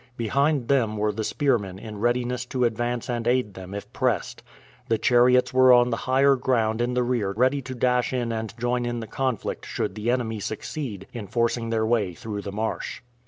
Behind them were the spearmen in readiness to advance and aid them if pressed. The chariots were on the higher ground in the rear ready to dash in and join in the conflict should the enemy succeed in forcing their way through the marsh.